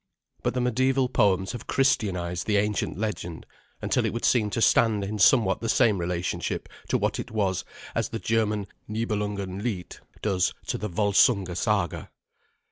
But the mediaeval poems have Christianized the ancient legend, until it would seem to stand in somewhat the same relationship to what it was as the German "Niebelungen Lied" does to the "Volsunga Saga."